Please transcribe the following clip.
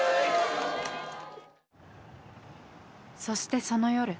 そしてその夜。